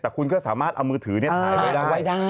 แต่คุณก็สามารถเอามือถือถ่ายไว้ได้